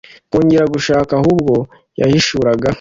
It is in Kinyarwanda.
kongera gushaka, ahubwo yahishuraga